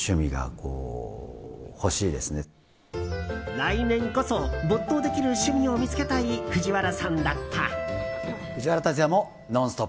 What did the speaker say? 来年こそ、没頭できる趣味を見つけたい藤原さんだった。